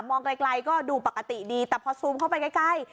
ไกลก็ดูปกติดีแต่พอซูมเข้าไปใกล้